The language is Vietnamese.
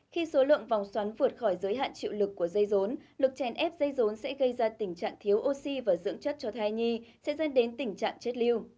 khi số lượng vòng xoắn vượt khỏi giới hạn chịu lực của dây rốn lực chèn ép dây rốn sẽ gây ra tình trạng thiếu oxy và dưỡng chất cho thai nhi sẽ dẫn đến tình trạng chết lưu